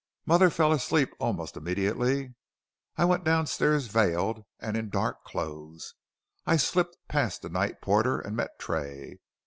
Mother fell asleep almost immediately. I went downstairs veiled, and in dark clothes. I slipped past the night porter and met Tray.